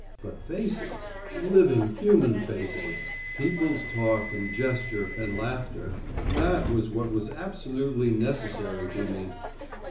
But faces, living human faces people's talk, and gesture, and laughter that was what was absolutely necessary to me.